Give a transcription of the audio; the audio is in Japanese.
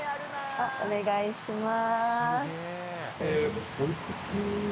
お願いします。